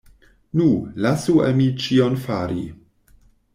Nu, lasu al mi ĉion fari!